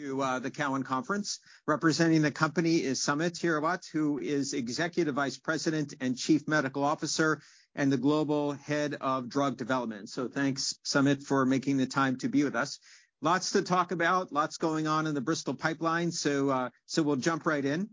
Welcome to the Cowen Conference. Representing the company is Samit Hirawat, who is Executive Vice President and Chief Medical Officer and the Global Head of Drug Development. Thanks, Samit, for making the time to be with us. Lots to talk about. Lots going on in the Bristol pipeline. We'll jump right in.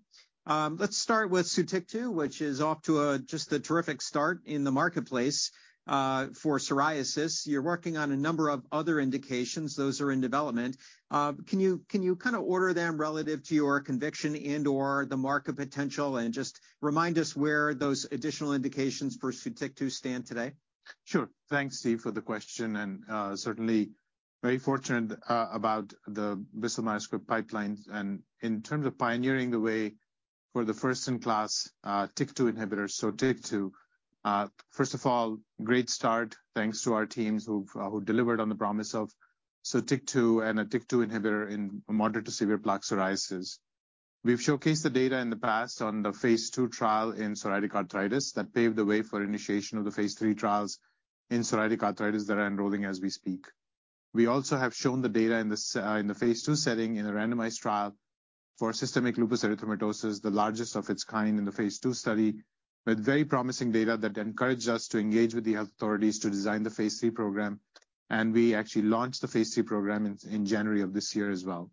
Let's start with SOTYKTU, which is off to a just a terrific start in the marketplace for psoriasis. You're working on a number of other indications. Those are in development. Can you kind of order them relative to your conviction and/or the market potential and just remind us where those additional indications for SOTYKTU stand today? Sure. Thanks, Steve, for the question, certainly very fortunate about the Bristol Myers Squibb pipeline and in terms of pioneering the way for the first in class TYK2 inhibitor. TYK2, first of all, great start thanks to our teams who've delivered on the promise of SOTYKTU and a TYK2 inhibitor in moderate to severe plaque psoriasis. We've showcased the data in the past on the phase II trial in psoriatic arthritis that paved the way for initiation of the phase III trials in psoriatic arthritis that are enrolling as we speak. We also have shown the data in the phase II setting in a randomized trial for systemic lupus erythematosus, the largest of its kind in the phase II study, with very promising data that encouraged us to engage with the health authorities to design the phase III program. We actually launched the phase III program in January of this year as well.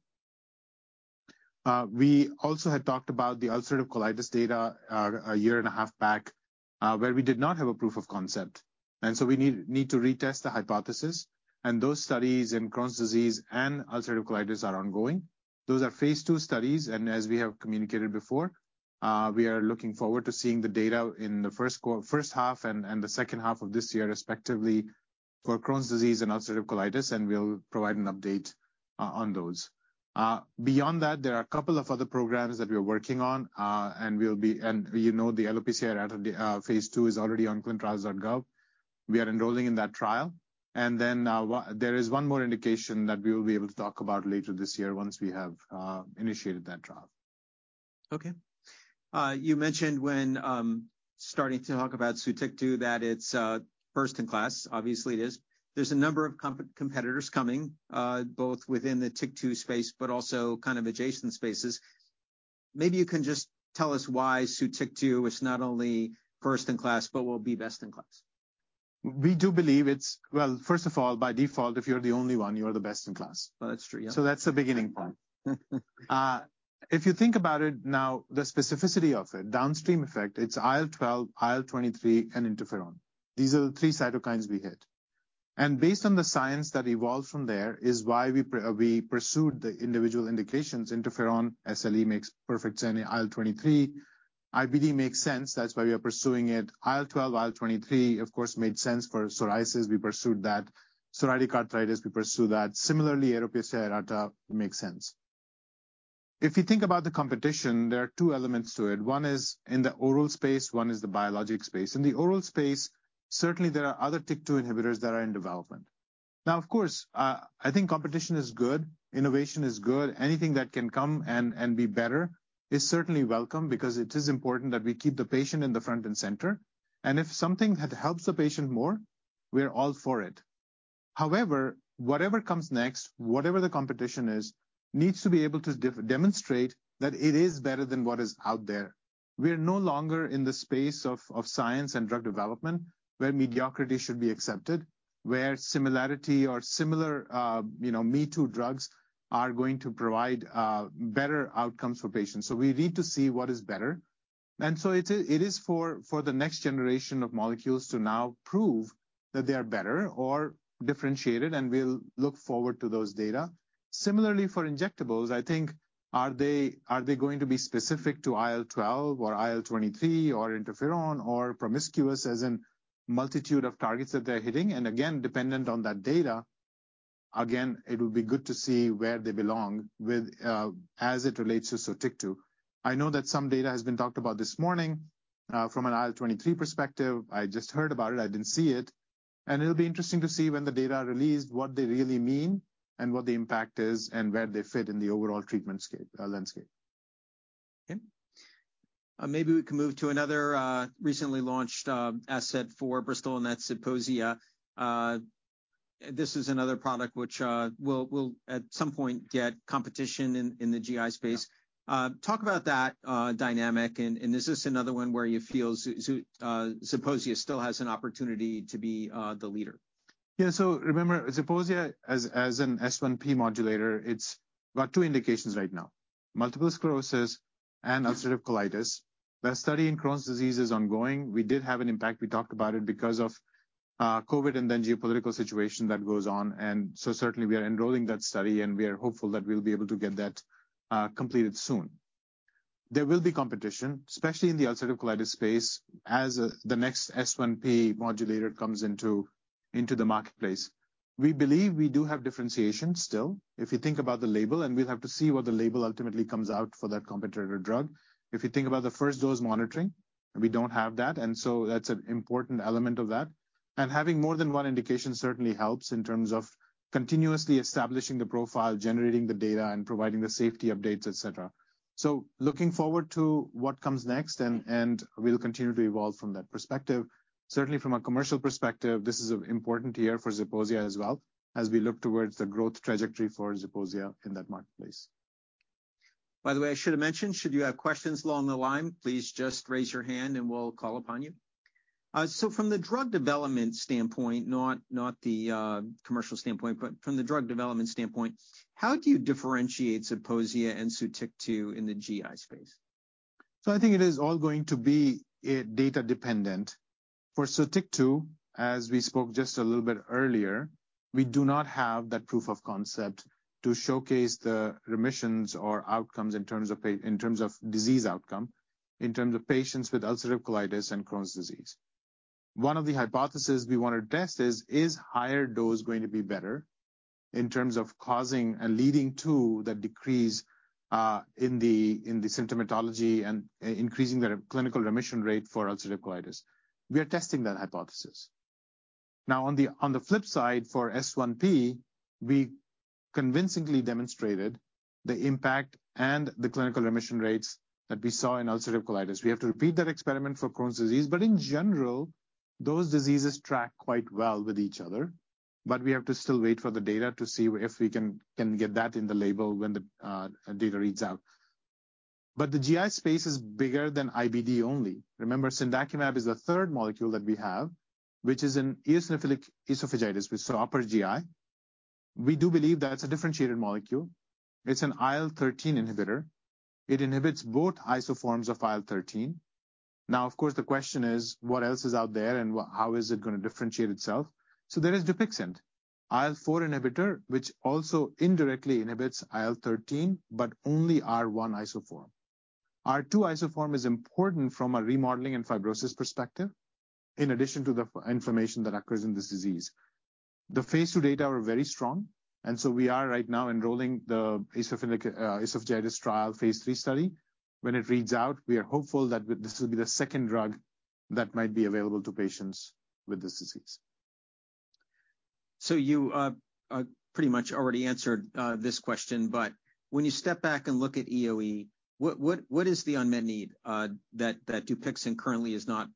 We also had talked about the ulcerative colitis data a year and a half back where we did not have a proof of concept, so we need to retest the hypothesis. Those studies in Crohn's disease and ulcerative colitis are ongoing. Those are phase II studies, and as we have communicated before, we are looking forward to seeing the data in the first half and the second half of this year respectively for Crohn's disease and ulcerative colitis, and we'll provide an update on those. Beyond that, there are a couple of other programs that we are working on, you know, the lupus erythematosus phase II is already on clinicaltrials.gov. We are enrolling in that trial. There is one more indication that we will be able to talk about later this year once we have initiated that trial. Okay. you mentioned when starting to talk about SOTYKTU that it's first in class. Obviously, it is. There's a number of competitors coming, both within the TYK2 space but also kind of adjacent spaces. Maybe you can just tell us why SOTYKTU is not only first in class but will be best in class. We do believe Well, first of all, by default, if you're the only one, you are the best in class. Well, that's true, yeah. That's the beginning point. If you think about it now, the specificity of it, downstream effect, it's IL-12, IL-23, and interferon. These are the three cytokines we hit. Based on the science that evolved from there is why we pursued the individual indications. Interferon, SLE makes perfect sense. IL-23, IBD makes sense. That's why we are pursuing it. IL-12, IL-23, of course, made sense for psoriasis. We pursued that. Psoriatic arthritis, we pursue that. Similarly, eruptive psoriasis makes sense. If you think about the competition, there are two elements to it. One is in the oral space. One is the biologic space. In the oral space, certainly, there are other TYK2 inhibitors that are in development. Now, of course, I think competition is good. Innovation is good. Anything that can come and be better is certainly welcome because it is important that we keep the patient in the front and center. If something helps the patient more, we're all for it. However, whatever comes next, whatever the competition is, needs to be able to demonstrate that it is better than what is out there. We are no longer in the space of science and drug development where mediocrity should be accepted, where similarity or similar, you know, me too drugs are going to provide better outcomes for patients. We need to see what is better. It is for the next generation of molecules to now prove that they are better or differentiated, and we'll look forward to those data. Similarly for injectables, I think, are they going to be specific to IL-12 or IL-23 or interferon or promiscuous, as in multitude of targets that they're hitting? Dependent on that data, again, it will be good to see where they belong with, as it relates to SOTYKTU. I know that some data has been talked about this morning, from an IL-23 perspective. I just heard about it. I didn't see it. It'll be interesting to see when the data are released, what they really mean and what the impact is and where they fit in the overall treatment scape, landscape. Okay. maybe we can move to another, recently launched, asset for Bristol, and that's Zeposia. This is another product which, will at some point get competition in the GI space. Yeah. Talk about that dynamic and is this another one where you feel Zeposia still has an opportunity to be the leader? Remember, Zeposia as an S1P modulator, it's got two indications right now, multiple sclerosis and ulcerative colitis. The study in Crohn's disease is ongoing. We did have an impact. We talked about it because of COVID and then geopolitical situation that goes on. Certainly we are enrolling that study, and we are hopeful that we'll be able to get that completed soon. There will be competition, especially in the ulcerative colitis space as the next S1P modulator comes into the marketplace. We believe we do have differentiation still. If you think about the label, and we'll have to see what the label ultimately comes out for that competitor drug. If you think about the first dose monitoring, we don't have that. That's an important element of that. Having more than one indication certainly helps in terms of continuously establishing the profile, generating the data, and providing the safety updates, et cetera. So looking forward to what comes next and we'll continue to evolve from that perspective. From a commercial perspective, this is an important year for Zeposia as well, as we look towards the growth trajectory for Zeposia in that marketplace. By the way, I should have mentioned, should you have questions along the line, please just raise your hand and we'll call upon you. From the drug development standpoint, not the commercial standpoint, but from the drug development standpoint, how do you differentiate Zeposia and SOTYKTU in the GI space? I think it is all going to be data dependent. For SOTYKTU, as we spoke just a little bit earlier, we do not have that proof of concept to showcase the remissions or outcomes in terms of disease outcome, in terms of patients with ulcerative colitis and Crohn's disease. One of the hypotheses we want to test is higher dose going to be better in terms of causing and leading to the decrease in the symptomatology and increasing the clinical remission rate for ulcerative colitis. We are testing that hypothesis. On the flip side, for S1P, we convincingly demonstrated the impact and the clinical remission rates that we saw in ulcerative colitis. We have to repeat that experiment for Crohn's disease. In general, those diseases track quite well with each other. We have to still wait for the data to see if we can get that in the label when the data reads out. The GI space is bigger than IBD only. Remember, cendakimab is the third molecule that we have, which is in eosinophilic esophagitis, so upper GI. We do believe that it's a differentiated molecule. It's an IL-13 inhibitor. It inhibits both isoforms of IL-13. Now, of course, the question is what else is out there and how is it gonna differentiate itself? There is DUPIXENT, IL-4 inhibitor, which also indirectly inhibits IL-13, but only LPA1 isoform. R2 isoform is important from a remodeling and fibrosis perspective, in addition to the inflammation that occurs in this disease. The phase II data are very strong, and so we are right now enrolling the eosinophilic esophagitis trial phase III study. When it reads out, we are hopeful that this will be the second drug that might be available to patients with this disease. You pretty much already answered this question, but when you step back and look at EoE, what is the unmet need that DUPIXENT currently is not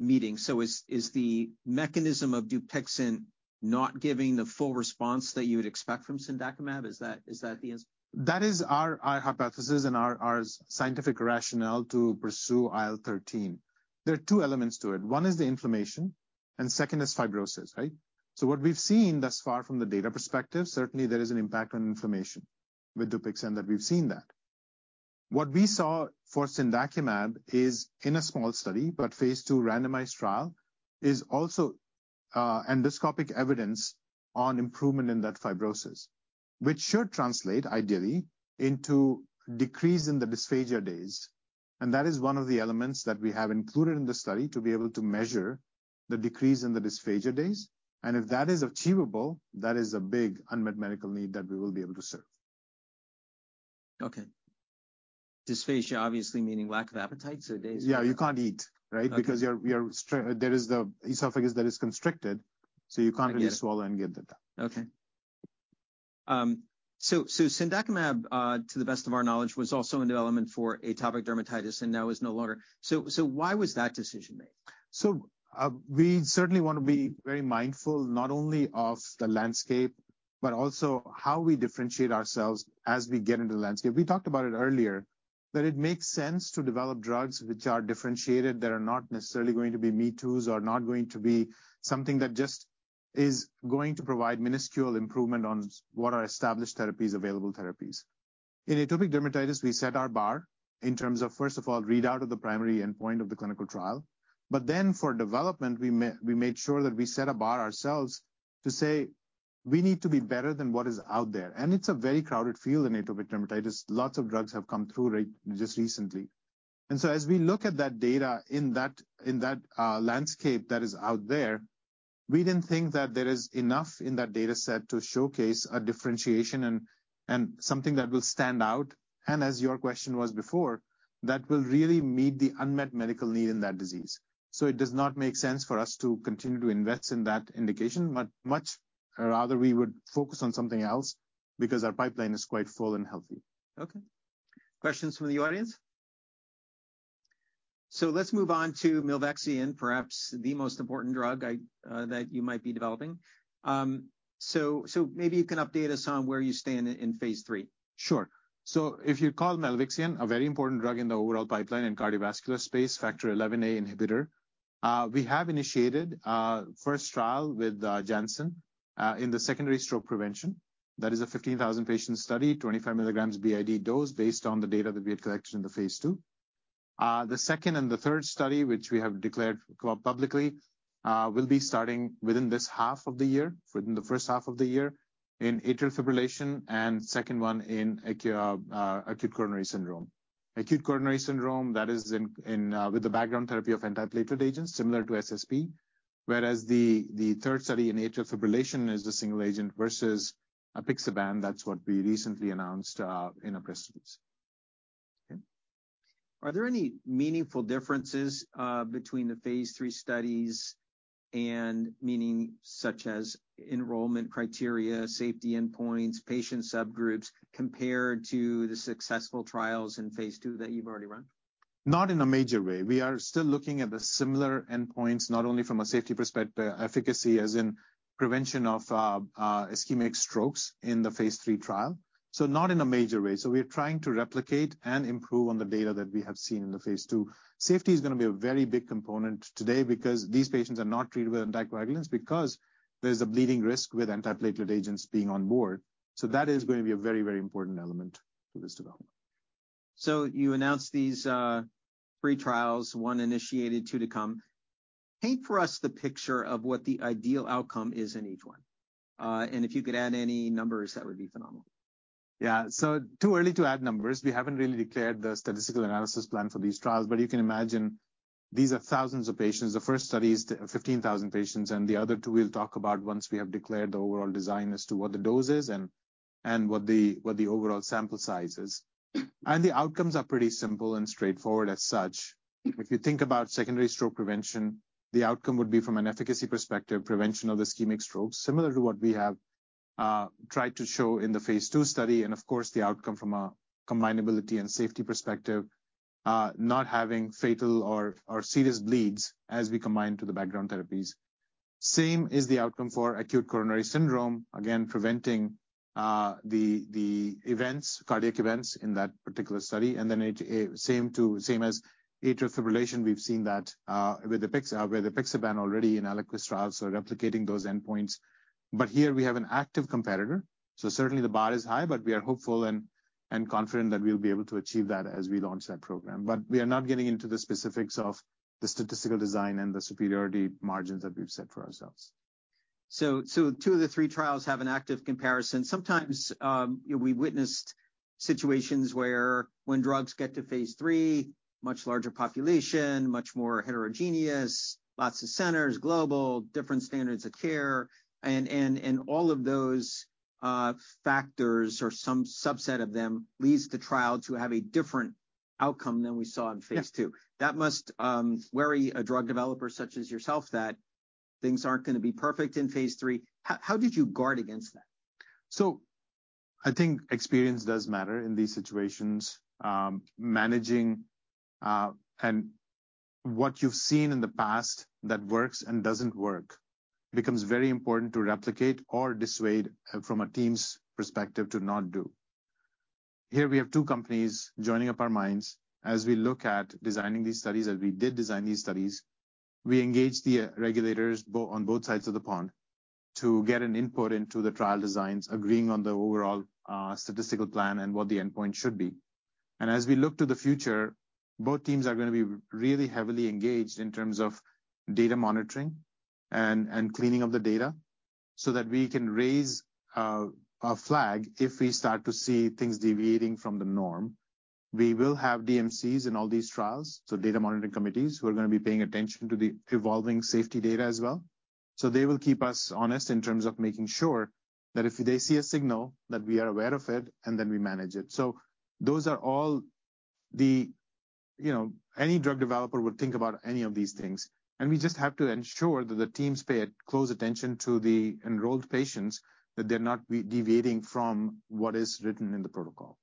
meeting? Is the mechanism of DUPIXENT not giving the full response that you would expect from cendakimab? Is that the answer? That is our hypothesis and our scientific rationale to pursue IL-13. There are two elements to it. One is the inflammation, and second is fibrosis, right? What we've seen thus far from the data perspective, certainly there is an impact on inflammation with DUPIXENT, and we've seen that. What we saw for cendakimab is in a small study, but phase II randomized trial, is also endoscopic evidence on improvement in that fibrosis, which should translate ideally into decrease in the dysphagia days. That is one of the elements that we have included in the study to be able to measure the decrease in the dysphagia days. If that is achievable, that is a big unmet medical need that we will be able to serve. Okay. Dysphagia obviously meaning lack of appetite, so days- Yeah, you can't eat, right? Okay. There is the esophagus that is constricted, so you can't swallow and get the data. Cendakimab, to the best of our knowledge, was also in development for atopic dermatitis and now is no longer. Why was that decision made? We certainly want to be very mindful not only of the landscape, but also how we differentiate ourselves as we get into the landscape. We talked about it earlier, that it makes sense to develop drugs which are differentiated, that are not necessarily going to be me too's or not going to be something that just is going to provide minuscule improvement on what are established therapies, available therapies. In atopic dermatitis, we set our bar in terms of, first of all, readout of the primary endpoint of the clinical trial. For development, we made sure that we set a bar ourselves to say we need to be better than what is out there. It's a very crowded field in atopic dermatitis. Lots of drugs have come through just recently. As we look at that data in that landscape that is out there, we didn't think that there is enough in that data set to showcase a differentiation and something that will stand out, and as your question was before, that will really meet the unmet medical need in that disease. It does not make sense for us to continue to invest in that indication, much rather we would focus on something else because our pipeline is quite full and healthy. Okay. Questions from the audience? Let's move on to Milvexian, perhaps the most important drug, I, that you might be developing. Maybe you can update us on where you stand in phase III. If you call Milvexian a very important drug in the overall pipeline in cardiovascular space, Factor XIa inhibitor, we have initiated first trial with Janssen in the secondary stroke prevention. That is a 15,000 patient study, 25 milligrams BID dose based on the data that we had collected in the phase II. The second and the third study, which we have declared publicly, will be starting within this half of the year, within the first half of the year in atrial fibrillation and second one in acute coronary syndrome. Acute coronary syndrome, that is in, with the background therapy of antiplatelet agents similar to SSP, whereas the third study in atrial fibrillation is the single agent versus apixaban. That's what we recently announced in a press release. Are there any meaningful differences, between the phase III studies and, meaning such as enrollment criteria, safety endpoints, patient subgroups, compared to the successful trials in phase II that you've already run? Not in a major way. We are still looking at the similar endpoints, not only from a safety efficacy as in prevention of ischemic strokes in the phase III trial. Not in a major way. We're trying to replicate and improve on the data that we have seen in the phase II. Safety is gonna be a very big component today because these patients are not treated with anticoagulants because there's a bleeding risk with antiplatelet agents being on board. That is going to be a very, very important element to this development. You announced these, three trials, one initiated, two to come. Paint for us the picture of what the ideal outcome is in each one. If you could add any numbers, that would be phenomenal. Yeah. Too early to add numbers. We haven't really declared the statistical analysis plan for these trials, but you can imagine these are thousands of patients. The first study is 15,000 patients, the other two we'll talk about once we have declared the overall design as to what the dose is and what the overall sample size is. The outcomes are pretty simple and straightforward as such. If you think about secondary stroke prevention, the outcome would be from an efficacy perspective, prevention of ischemic strokes, similar to what we have tried to show in the phase II study, and of course, the outcome from a combinability and safety perspective, not having fatal or serious bleeds as we combine to the background therapies. Same is the outcome for acute coronary syndrome, again, preventing, the events, cardiac events in that particular study. It same to, same as atrial fibrillation. We've seen that, with apixaban already in ELIQUIS trials, so replicating those endpoints. Here we have an active competitor, so certainly the bar is high, but we are hopeful and confident that we'll be able to achieve that as we launch that program. We are not getting into the specifics of the statistical design and the superiority margins that we've set for ourselves. Two of the three trials have an active comparison. Sometimes, you know, we witnessed situations where when drugs get to phase III, much larger population, much more heterogeneous, lots of centers, global, different standards of care, and all of those factors or some subset of them leads the trial to have a different outcome than we saw in phase II. Yeah. That must worry a drug developer such as yourself that things aren't gonna be perfect in phase III. How did you guard against that? I think experience does matter in these situations. Managing and what you've seen in the past that works and doesn't work becomes very important to replicate or dissuade from a team's perspective to not do. Here we have two companies joining up our minds as we look at designing these studies, as we did design these studies. We engaged the regulators on both sides of the pond to get an input into the trial designs, agreeing on the overall statistical plan and what the endpoint should be. As we look to the future, both teams are gonna be really heavily engaged in terms of data monitoring and cleaning up the data so that we can raise a flag if we start to see things deviating from the norm. We will have DMCs in all these trials, so Data Monitoring Committees who are gonna be paying attention to the evolving safety data as well. They will keep us honest in terms of making sure that if they see a signal, that we are aware of it, and then we manage it. Those are all the. You know, any drug developer would think about any of these things, and we just have to ensure that the teams pay a close attention to the enrolled patients, that they're not deviating from what is written in the protocol.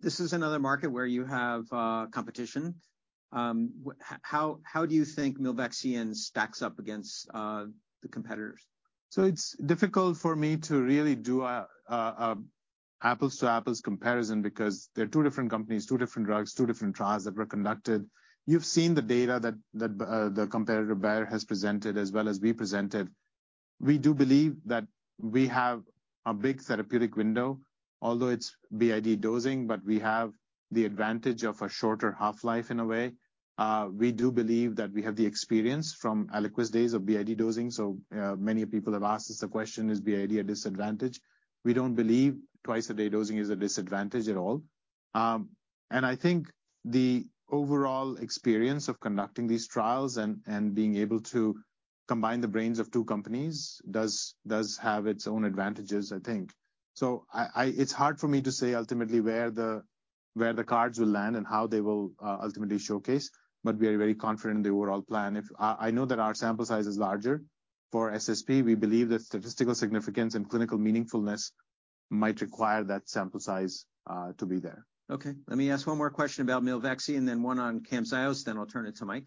This is another market where you have competition. How do you think Milvexian stacks up against the competitors? It's difficult for me to really do apples to apples comparison because they're two different companies, two different drugs, two different trials that were conducted. You've seen the data that the competitor Bayer has presented as well as we presented. We do believe that we have a big therapeutic window, although it's BID dosing, but we have the advantage of a shorter half-life in a way. We do believe that we have the experience from ELIQUIS days of BID dosing. Many people have asked us the question, "Is BID a disadvantage?" We don't believe twice-a-day dosing is a disadvantage at all. I think the overall experience of conducting these trials and being able to combine the brains of two companies does have its own advantages, I think. It's hard for me to say ultimately where the cards will land and how they will ultimately showcase, but we are very confident in the overall plan. I know that our sample size is larger. For SSP, we believe the statistical significance and clinical meaningfulness might require that sample size to be there. Okay. Let me ask one more question about Milvexian and then one on Camzyos, then I'll turn it to Mike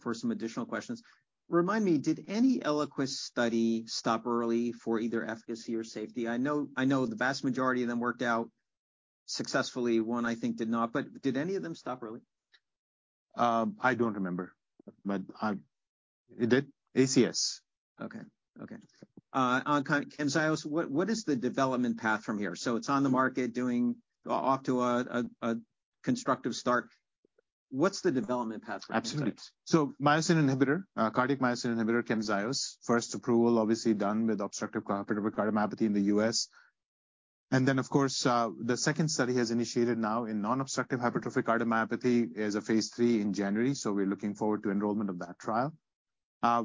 for some additional questions. Remind me, did any ELIQUIS study stop early for either efficacy or safety? I know the vast majority of them worked out successfully. One, I think, did not, but did any of them stop early? I don't remember, but it did. ACS. Okay. Okay. On Camzyos, what is the development path from here? It's on the market off to a constructive start. What's the development path from here? Absolutely. Myosin inhibitor, cardiac myosin inhibitor, Camzyos. First approval obviously done with obstructive hypertrophic cardiomyopathy in the US. Then, of course, the second study has initiated now in non-obstructive hypertrophic cardiomyopathy as a phase III in January, we're looking forward to enrollment of that trial.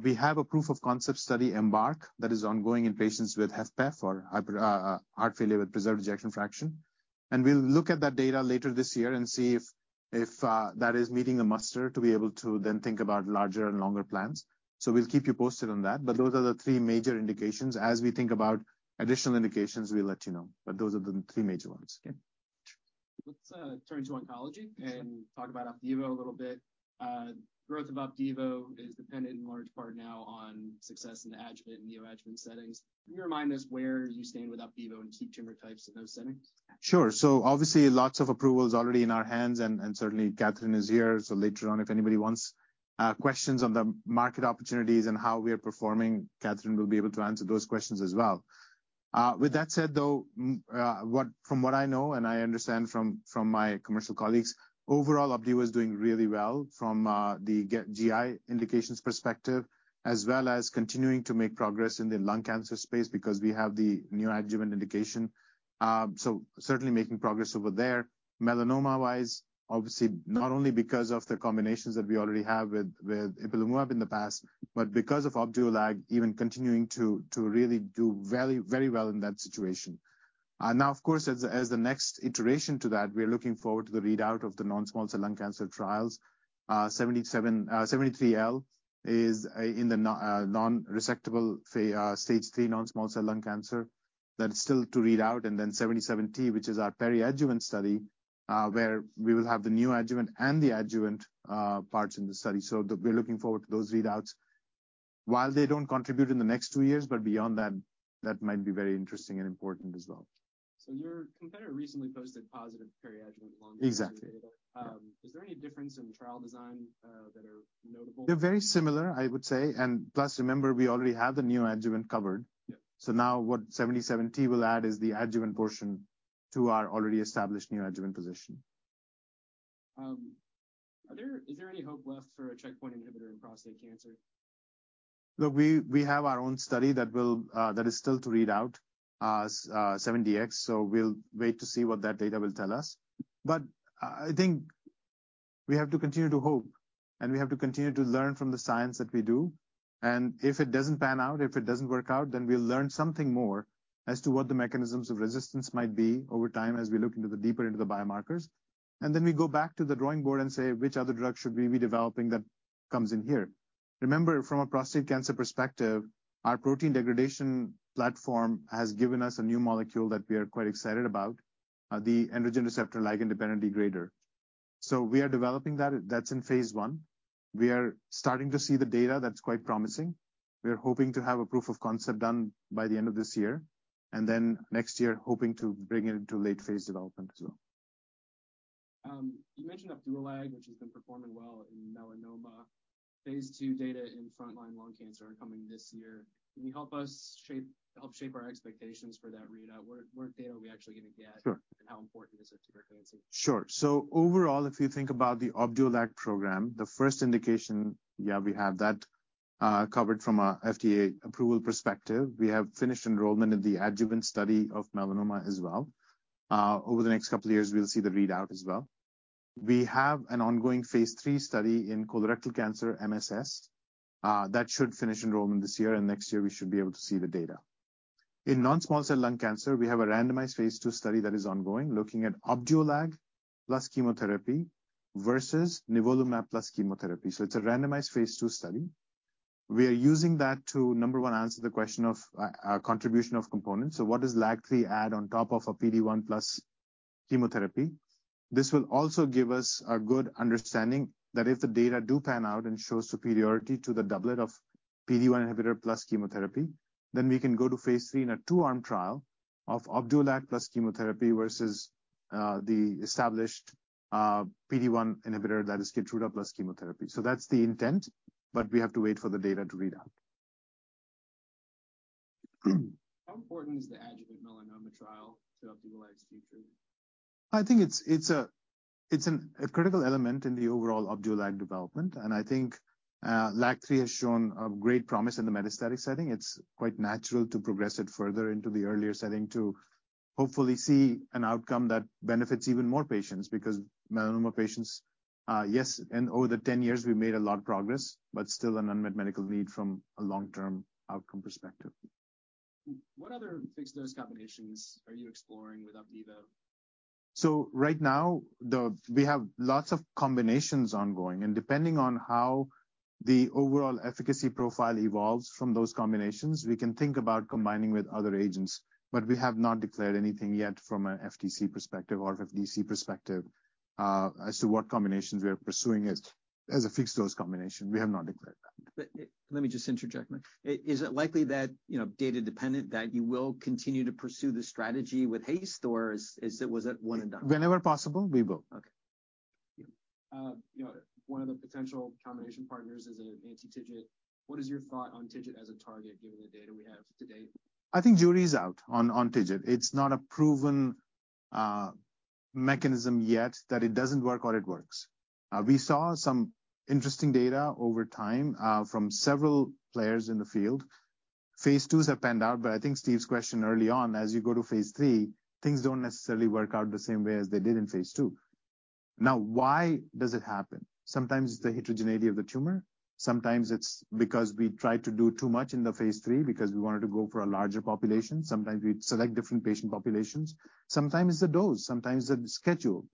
We have a proof of concept study, EMBARK, that is ongoing in patients with HFpEF or heart failure with preserved ejection fraction. We'll look at that data later this year and see if that is meeting the muster to be able to then think about larger and longer plans. We'll keep you posted on that. Those are the three major indications. As we think about additional indications, we'll let you know. Those are the three major ones. Yeah. Let's turn to oncology and talk about Opdivo a little bit. Growth of Opdivo is dependent in large part now on success in adjuvant and neoadjuvant settings. Can you remind us where you stand with Opdivo in key tumor types in those settings? Sure. Obviously, lots of approvals already in our hands and certainly Katherine is here. Later on, if anybody wants questions on the market opportunities and how we are performing, Katherine will be able to answer those questions as well. With that said, though, from what I know and I understand from my commercial colleagues, overall, Opdivo is doing really well from the GI indications perspective as well as continuing to make progress in the lung cancer space because we have the neoadjuvant indication. Certainly making progress over there. Melanoma-wise, obviously, not only because of the combinations that we already have with ipilimumab in the past, but because of Opdualag even continuing to really do very, very well in that situation. Now, of course, as the next iteration to that, we are looking forward to the readout of the non-small cell lung cancer trials. 73 L is in the non-resectable stage three non-small cell lung cancer. That is still to read out. 77 T, which is our peri-adjuvant study, where we will have the new adjuvant and the adjuvant parts in the study. We're looking forward to those readouts. While they don't contribute in the next two years, beyond that might be very interesting and important as well. Your competitor recently posted positive peri-adjuvant lung cancer data. Exactly. Is there any difference in trial design that are notable? They're very similar, I would say. Plus, remember, we already have the new adjuvant covered. Yeah. Now what 77 T will add is the adjuvant portion to our already established new adjuvant position. Is there any hope left for a checkpoint inhibitor in prostate cancer? Look, we have our own study that is still to read out, 70 X, we'll wait to see what that data will tell us. I think we have to continue to hope, and we have to continue to learn from the science that we do. If it doesn't pan out, if it doesn't work out, we'll learn something more as to what the mechanisms of resistance might be over time as we look deeper into the biomarkers. We go back to the drawing board and say, which other drugs should we be developing that comes in here? Remember, from a prostate cancer perspective, our protein degradation platform has given us a new molecule that we are quite excited about, the androgen receptor ligand-independent degrader. We are developing that. That's in phase I. We are starting to see the data that's quite promising. We are hoping to have a proof of concept done by the end of this year, then next year, hoping to bring it into late-phase development as well. You mentioned Opdualag, which has been performing well in melanoma. phase II data in frontline lung cancer are coming this year. Can you help us help shape our expectations for that readout? What data are we actually gonna get. Sure. How important is it to your fancy? Overall, if you think about the Opdualag program, the first indication, yeah, we have that covered from a FDA approval perspective. We have finished enrollment in the adjuvant study of melanoma as well. Over the next couple of years, we'll see the readout as well. We have an ongoing phase III study in colorectal cancer MSS. That should finish enrollment this year, and next year we should be able to see the data. In non-small cell lung cancer, we have a randomized phase II study that is ongoing, looking at Opdualag plus chemotherapy versus nivolumab plus chemotherapy. It's a randomized phase II study. We are using that to, number one, answer the question of a contribution of components. What does LAG-3 add on top of a PD-1 plus chemotherapy? This will also give us a good understanding that if the data do pan out and show superiority to the doublet of PD-1 inhibitor plus chemotherapy, then we can go to phase III in a two-arm trial of Opdualag plus chemotherapy versus the established PD-1 inhibitor that is Keytruda plus chemotherapy. That's the intent, but we have to wait for the data to read out. How important is the adjuvant melanoma trial to Opdualag's future? I think it's a critical element in the overall Opdualag development, and I think LAG-3 has shown a great promise in the metastatic setting. It's quite natural to progress it further into the earlier setting to hopefully see an outcome that benefits even more patients because melanoma patients, yes, and over the 10 years we've made a lot of progress, but still an unmet medical need from a long-term outcome perspective. What other fixed-dose combinations are you exploring with Opdivo? Right now, we have lots of combinations ongoing, and depending on how the overall efficacy profile evolves from those combinations, we can think about combining with other agents. We have not declared anything yet from an FTC perspective or FDC perspective, as to what combinations we are pursuing as a fixed-dose combination. We have not declared that. Let me just interject. Is it likely that, you know, data dependent, that you will continue to pursue this strategy with [Hastor, was it one and done? Whenever possible, we will. Okay. You know, one of the potential combination partners is an anti-TIGIT. What is your thought on TIGIT as a target given the data we have to date? I think jury is out on TIGIT. It's not a proven mechanism yet that it doesn't work or it works. We saw some interesting data over time from several players in the field. phase IIs have panned out, but I think Steve's question early on, as you go to phase III, things don't necessarily work out the same way as they did in phase II. Now, why does it happen? Sometimes it's the heterogeneity of the tumor, sometimes it's because we try to do too much in the phase III because we wanted to go for a larger population. Sometimes we select different patient populations. Sometimes it's the dose, sometimes the schedule.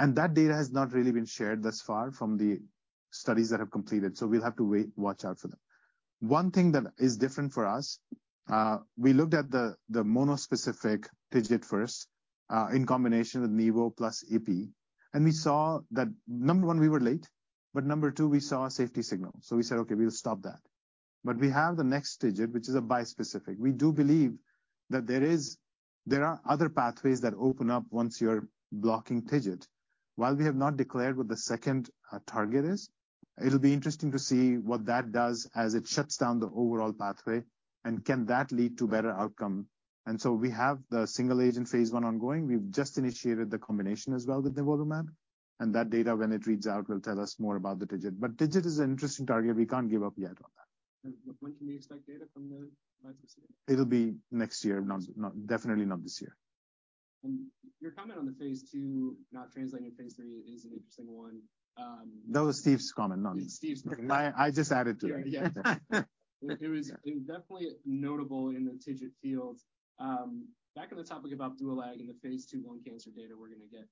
And that data has not really been shared thus far from the studies that have completed, so we'll have to wait, watch out for them. One thing that is different for us, we looked at the mono-specific TIGIT first, in combination with nivolumab plus epi, and we saw that, number one, we were late, number two, we saw a safety signal. We said, "Okay, we'll stop that." We have the next TIGIT, which is a bispecific. We do believe that there are other pathways that open up once you're blocking TIGIT. While we have not declared what the second target is, it'll be interesting to see what that does as it shuts down the overall pathway and can that lead to better outcome. We have the single agent phase I ongoing. We've just initiated the combination as well with nivolumab, and that data when it reads out will tell us more about the TIGIT. TIGIT is an interesting target. We can't give up yet on that. When can we expect data from the bispecific? It'll be next year, not definitely not this year. Your comment on the phase II not translating to phase III is an interesting one. That was Steve's comment, not me. It's Steve's comment. I just added to that. Yeah, yeah. It was definitely notable in the TIGIT field. Back on the topic of Opdualag in the phase II lung cancer data we're gonna get,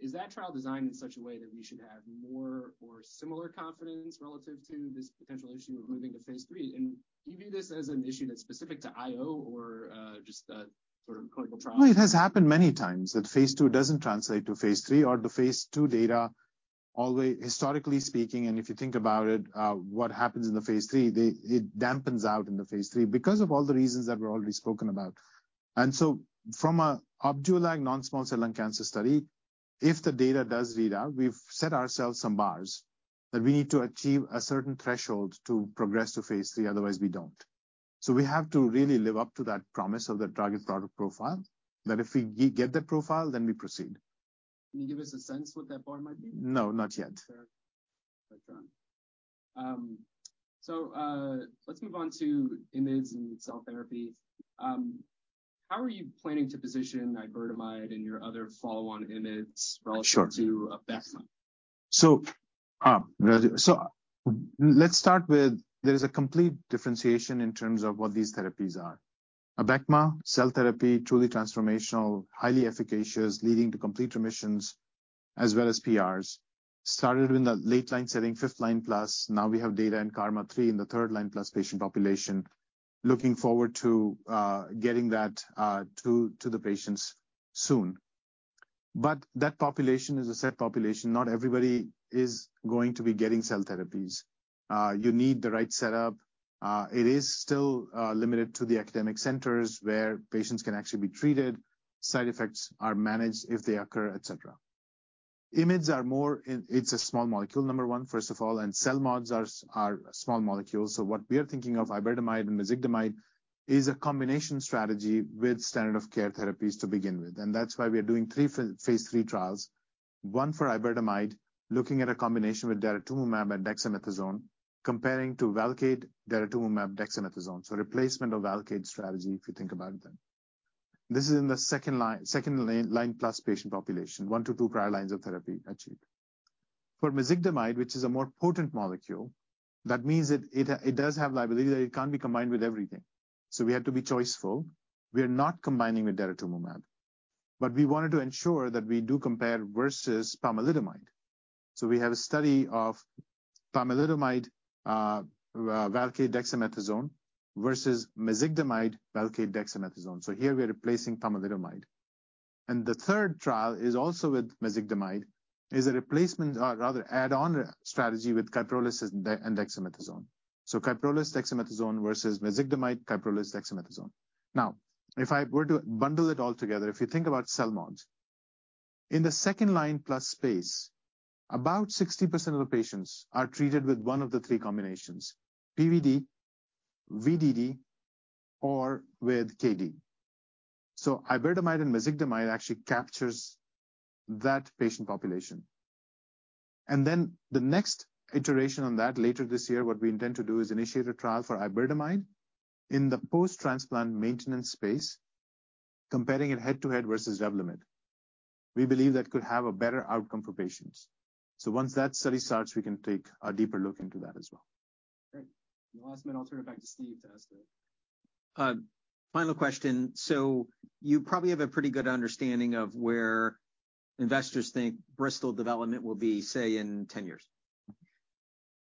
is that trial designed in such a way that we should have more or similar confidence relative to this potential issue of moving to phase III? Do you view this as an issue that's specific to IO or just a sort of clinical trial? No, it has happened many times that phase II doesn't translate to phase III or the phase II data all the way. Historically speaking, and if you think about it, what happens in the phase III, it dampens out in the phase III because of all the reasons that were already spoken about. From a Opdualag non-small cell lung cancer study, if the data does read out, we've set ourselves some bars that we need to achieve a certain threshold to progress to phase III, otherwise we don't. We have to really live up to that promise of the drug and product profile, that if we get the profile, then we proceed. Can you give us a sense what that bar might be? No, not yet. Fair. That's fine. Let's move on to IMiDs and cell therapy. How are you planning to position iberdomide and your other follow-on IMiDs relative to Abecma? Let's start with there is a complete differentiation in terms of what these therapies are. Abecma, cell therapy, truly transformational, highly efficacious, leading to complete remissions as well as PRs. Started in the late-line setting, fifth line plus. Now we have data in KarMMa-3 in the third line plus patient population. Looking forward to getting that to the patients soon. That population is a set population. Not everybody is going to be getting cell therapies. You need the right setup. It is still limited to the academic centers where patients can actually be treated, side effects are managed if they occur, et cetera. IMiDs are more. It's a small molecule, number one, first of all, and CELMoDs are small molecules. What we are thinking of iberdomide and mezigdomide is a combination strategy with standard of care therapies to begin with. That's why we are doing three phase III trials, one for iberdomide, looking at a combination with daratumumab and dexamethasone, comparing to Velcade, daratumumab, dexamethasone. Replacement of Velcade strategy, if you think about them. This is in the second line plus patient population, one to two prior lines of therapy achieved. For mezigdomide, which is a more potent molecule, that means it does have liability that it can't be combined with everything. We have to be choiceful. We are not combining with daratumumab. We wanted to ensure that we do compare versus pomalidomide. We have a study of pomalidomide Velcade dexamethasone versus mezigdomide Velcade dexamethasone. Here we are replacing pomalidomide. The third trial is also with mezigdomide, is a replacement or rather add-on strategy with Kyprolis and dexamethasone. Kyprolis dexamethasone versus mezigdomide Kyprolis dexamethasone. If I were to bundle it all together, if you think about CELMoDs, in the second line plus space, about 60% of the patients are treated with one of the three combinations: PVd, VDD or with Kd. Iberdomide and mezigdomide actually captures that patient population. The next iteration on that later this year, what we intend to do is initiate a trial for iberdomide in the post-transplant maintenance space, comparing it head-to-head versus REVLIMID. We believe that could have a better outcome for patients. Once that study starts, we can take a deeper look into that as well. Great. In the last minute, I'll turn it back to Steve to ask. Final question. You probably have a pretty good understanding of where investors think Bristol development will be, say, in 10 years.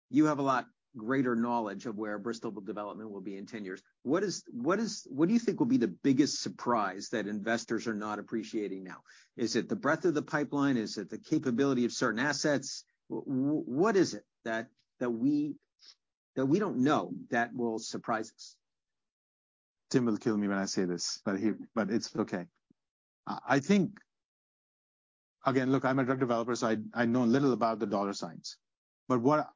You have a lot greater knowledge of where Bristol development will be in 10 years. What do you think will be the biggest surprise that investors are not appreciating now? Is it the breadth of the pipeline? Is it the capability of certain assets? What is it that we, that we don't know that will surprise us? Tim will kill me when I say this, it's okay. I think... Again, look, I'm a drug developer, so I know a little about the dollar signs. What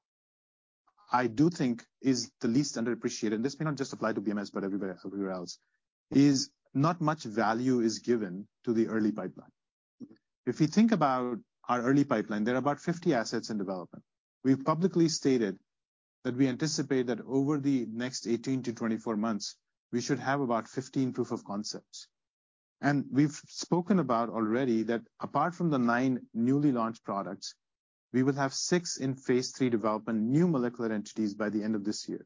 I do think is the least underappreciated, and this may not just apply to BMS, but everywhere else, is not much value is given to the early pipeline. If you think about our early pipeline, there are about 50 assets in development. We've publicly stated that we anticipate that over the next 18 to 24 months, we should have about 15 proof of concepts. We've spoken about already that apart from the nine newly launched products, we will have six in phase III development, new molecular entities by the end of this year.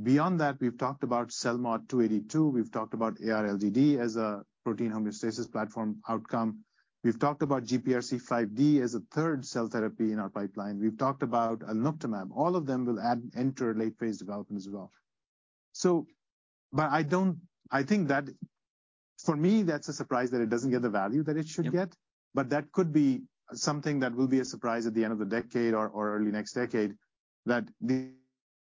Beyond that, we've talked about CELMoD-282, we've talked about AR LDD as a protein homeostasis platform outcome. We've talked about GPRC5D as a third cell therapy in our pipeline. We've talked about alnuctamab. All of them will enter late phase development as well. I think that for me, that's a surprise that it doesn't get the value that it should get. Yeah. That could be something that will be a surprise at the end of the decade or early next decade, that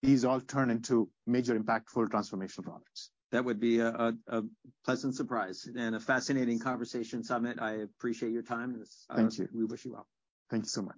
these all turn into major impactful transformational products. That would be a pleasant surprise and a fascinating conversation, Samit. I appreciate your time. Thank you. We wish you well. Thank you so much.